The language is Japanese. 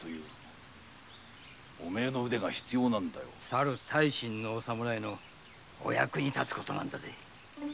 さる大身のお侍のお役に立つ事なんだぜ。